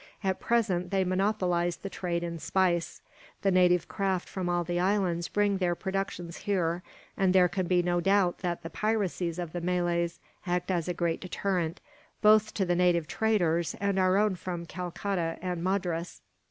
At present, they monopolize the trade in spice. The native craft from all the islands bring their productions here; and there can be no doubt that the piracies of the Malays act as a great deterrent, both to the native traders, and our own from Calcutta and Madras."